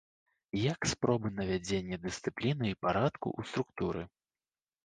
Як спробы навядзення дысцыпліны і парадку ў структуры.